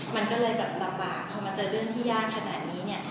มันก็เลยระบากเพราะมันเจอเรื่องที่ยากขนาดนี้